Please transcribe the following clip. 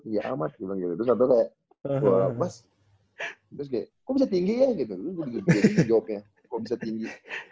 astaghfirullah teriak amat terus waktu itu kayak wah pas terus kayak kok bisa tinggi ya gitu itu jawabannya kok bisa tinggi